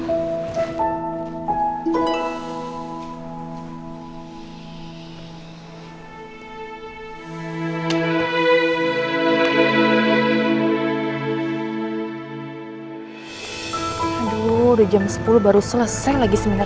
aduh udah jam sepuluh baru selesai lagi seminar